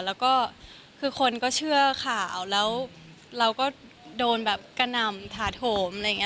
แล้วก็คือคนก็เชื่อข่าวแล้วเราก็โดนแบบกระหน่ำถาโถมอะไรอย่างนี้